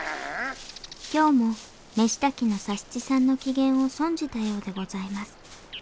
今日も飯炊きの佐七さんの機嫌を損じたようでございます。